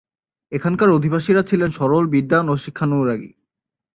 এখানকার অধিবাসীরা ছিলেন সরল, বিদ্বান ও শিক্ষানুরাগী।